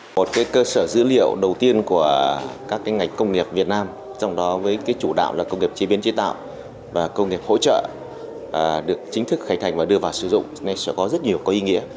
một cơ sở dữ liệu đầu tiên của các ngành công nghiệp việt nam trong đó với chủ đạo là công nghiệp chế biến chế tạo và công nghiệp hỗ trợ được chính thức khánh thành và đưa vào sử dụng sẽ có rất nhiều có ý nghĩa